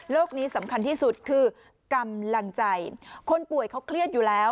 นี้สำคัญที่สุดคือกำลังใจคนป่วยเขาเครียดอยู่แล้ว